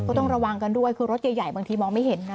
ต้องระวังกันด้วยคือรถใหญ่บางทีมองไม่เห็นนะ